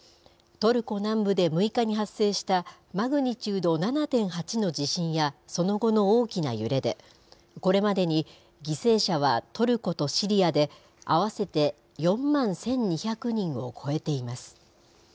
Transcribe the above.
トルコ南部で６日に発生したマグニチュード７．８の地震やその後の大きな揺れで、これまでに犠牲者はトルコとシリアで、合わせて４万１２００人を超えています。